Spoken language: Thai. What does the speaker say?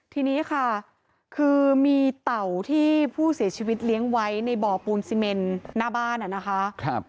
ทีนี้ค่ะคือมีเต่าที่ผู้เสียชีวิตเลี้ยงไว้ในบ่อปูนซีเมนหน้าบ้านนะคะ